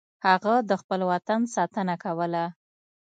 هغه د خپل وطن ساتنه کوله.